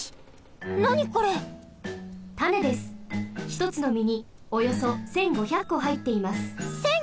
ひとつのみにおよそ１，５００こはいっています。